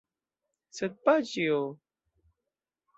Sed paĉjo?